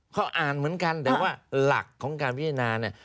เขาอ่านเหมือนกันแต่ว่าหลักของการพิจารณาเนี่ย